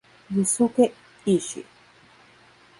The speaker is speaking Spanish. Yusuke Ishii